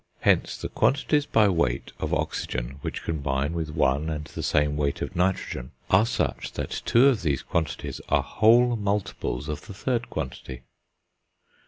Hence, the quantities by weight of oxygen which combine with one and the same weight of nitrogen are such that two of these quantities are whole multiples of the third quantity.